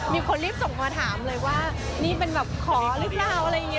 มีคนรีบส่งมาถามเลยว่านี่เป็นแบบขอหรือเปล่าอะไรอย่างนี้